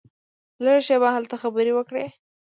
لږه شېبه هلته خبرې وکړې.